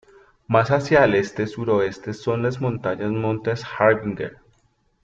Más hacia el este-sureste son las montañas Montes Harbinger.